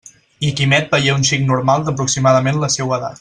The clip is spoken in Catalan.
I Quimet veié un xic normal d'aproximadament la seua edat.